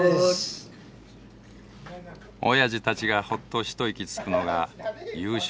おやじたちがほっと一息つくのが夕食の時間。